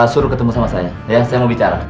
suruh ketemu sama saya saya mau bicara